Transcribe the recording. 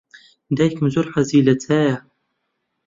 دایکم زۆر حەزی لە چایە.